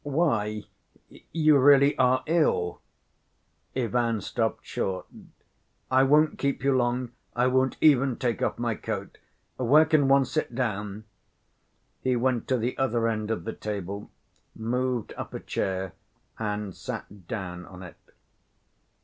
"Why, you really are ill?" Ivan stopped short. "I won't keep you long, I won't even take off my coat. Where can one sit down?" He went to the other end of the table, moved up a chair and sat down on it.